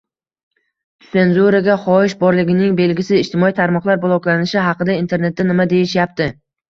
“Tsenzuraga xohish borligining belgisi” - ijtimoiy tarmoqlar bloklanishi haqida internetda nima deyishyapti?